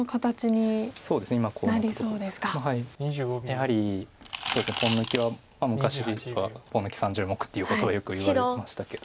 やはりポン抜きは昔はポン抜き３０目っていうことをよく言われましたけど。